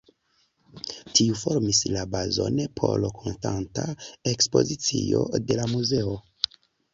Tiu formis la bazon por konstanta ekspozicio de la muzeo.